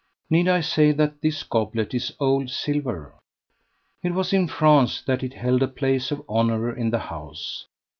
Need I say that this goblet is "old silver?" It was in France that it held a place of honour in the house.